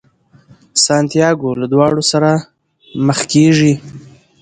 سانتیاګو له داړو سره مخ کیږي.